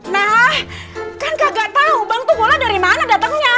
nah kan kagak tau bang tuh bola dari mana datengnya